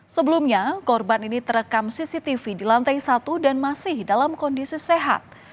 sebelumnya korban ini terekam cctv di lantai satu dan masih dalam kondisi sehat